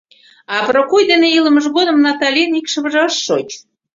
А Прокой дене илымыж годым Наталин икшыве ыш шоч.